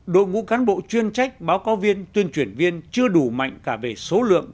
đội ngũ cán bộ chuyên trách báo cáo viên tuyên truyền viên chưa đủ mạnh cả về số lượng